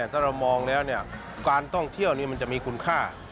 ถ้าเรามองแล้วการท่องเที่ยวนี้มันจะมีคุณค่า